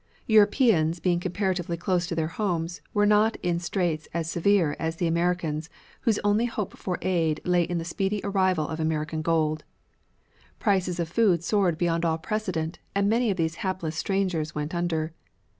Europeans being comparatively close to their homes, were not in straits as severe as the Americans whose only hope for aid lay in the speedy arrival of American gold. Prices of food soared beyond all precedent and many of these hapless strangers went under.